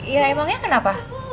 ya emangnya kenapa